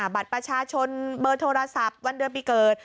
บัตรประชาชนเบอร์โทรศัพท์วันเดือนปีเกิด